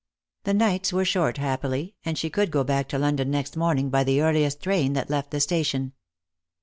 The nights were short, happily, and she could go back to London next morning by the earliest train that left the station.